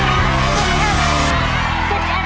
อีสี่ใบทุกนัก